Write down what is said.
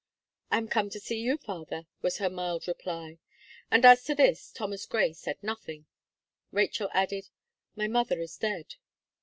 "I am come to see you, father," was her mild reply. And as to this Thomas Gray said nothing, Rachel added: "My mother is dead."